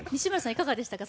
いかがでしたか？